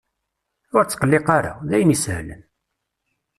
Ur ttqelliq ara! D ayen isehlen.